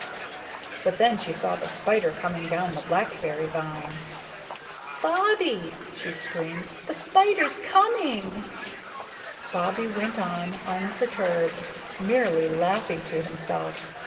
But then she saw the spider coming down the blackberry vine. "Bobbie," she screamed, "the spider's coming." Bobbie went on unperturbed, merely laughing to himself.